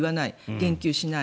言及しない。